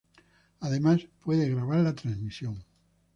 Además, puede grabar la transmisión.